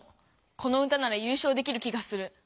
この歌なら優勝できる気がする。